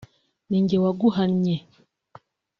ninjye waguhannye